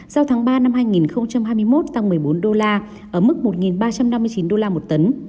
giao tháng ba năm hai nghìn hai mươi một tăng một mươi bốn đô la ở mức một ba trăm năm mươi chín đô la một tấn